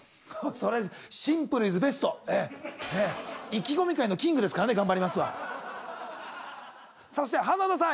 それシンプルイズベスト意気込み界のキングですからね「頑張ります」はそして花田さん